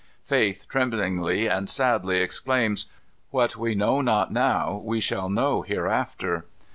Faith tremblingly and sadly exclaims, "What we know not now we shall know hereafter."